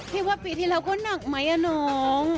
พี่ว่าปีที่แล้วก็หนักไหมน้อง